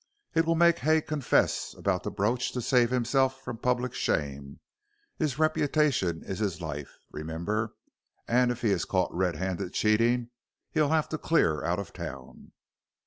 "It will make Hay confess about the brooch to save himself from public shame. His reputation is his life, remember, and if he is caught red handed cheating, he'll have to clear out of town."